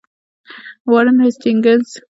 وارن هیسټینګز هیات استولی وو.